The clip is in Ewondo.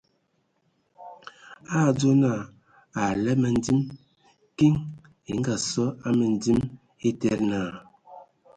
A a adzo naa a alab məndim, kiŋ e Ngaasɔ a mǝndim a etede naa :